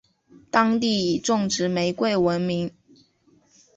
当地以种植玫瑰闻名。